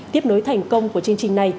tiếp nối thành công của chương trình này